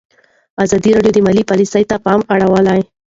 ازادي راډیو د مالي پالیسي ته پام اړولی.